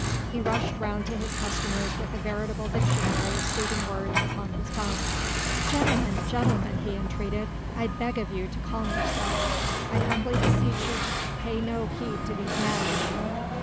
He rushed round to his customers with a veritable dictionary of soothing words upon his tongue. "Gentlemen! gentlemen," he entreated, "I beg of you to calm yourselves.... I humbly beseech you to pay no heed to these men...."